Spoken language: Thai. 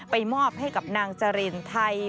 มอบให้กับนางจรินไทย